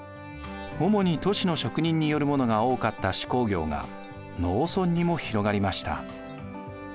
主に都市の職人によるものが多かった手工業が農村にも広がりました。